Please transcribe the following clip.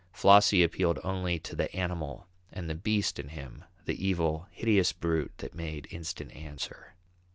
Flossie appealed only to the animal and the beast in him, the evil, hideous brute that made instant answer.